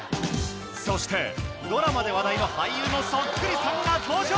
そしてドラマで話題の俳優のそっくりさんが登場！